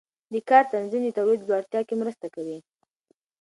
د کار تنظیم د تولید لوړتیا کې مرسته کوي.